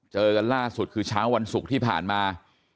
เจอกันล่าสุดคือเช้าวันศุกร์ที่ผ่านมา